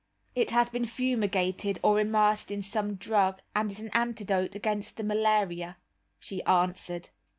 "It has been fumigated or immersed in some drug, and is an antidote against the malaria," she answered.